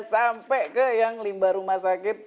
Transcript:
sampai ke yang limbah rumah sakit